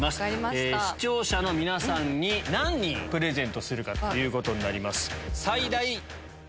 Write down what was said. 視聴者の皆さんに何人プレゼントするかになります。